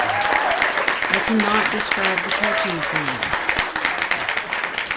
I can not describe the touching scene!